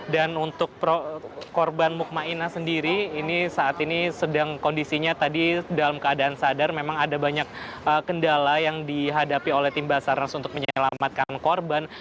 dan untuk korban mukmainas sendiri ini saat ini sedang kondisinya tadi dalam keadaan sadar memang ada banyak kendala yang dihadapi oleh tim basarnas untuk menyelamatkan korban